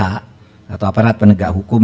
atau aparat penegak hukum